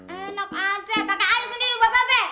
enak aja pake aja sendiri bapak bapak